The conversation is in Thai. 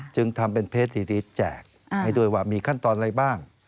จึงทำเป็นเพจดีแจกให้ด้วยว่ามีขั้นตอนอะไรบ้าง